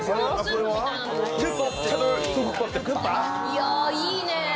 いやいいね。